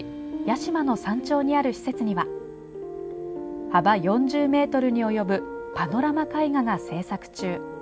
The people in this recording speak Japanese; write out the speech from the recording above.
屋島の山頂にある施設には幅４０ｍに及ぶパノラマ絵画が制作中。